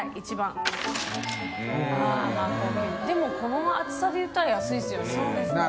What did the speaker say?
任この厚さでいったら安いですよね。